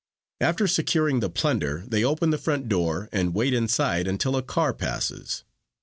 After securing the plunder they open the front door and wait inside until a car passes.